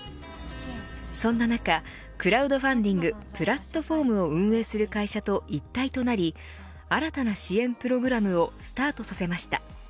そんな中クラウドファンディング・プラットフォームを運営する会社と一体となり新たな支援プログラムをスタートさせました。